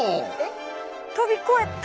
飛び越えた。